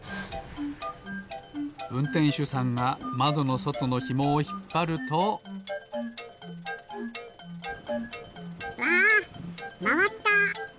うんてんしゅさんがまどのそとのひもをひっぱると。わまわった！